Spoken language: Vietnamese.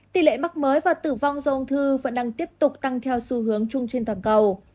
tỷ lệ mắc mới và tử vong do ung thư vẫn đang tiếp tục tăng theo xu hướng chung trên toàn cầu